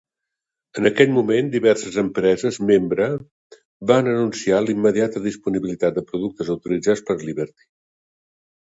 En aquell moment, diverses empreses membre van anunciar l"immediata disponibilitat de productes autoritzats per Liberty.